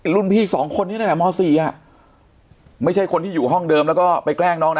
รุ่นพี่สองคนนี้นั่นแหละม๔ไม่ใช่คนที่อยู่ห้องเดิมแล้วก็ไปแกล้งน้องนะ